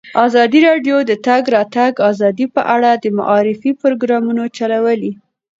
ازادي راډیو د د تګ راتګ ازادي په اړه د معارفې پروګرامونه چلولي.